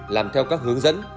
làm theo các hướng dẫn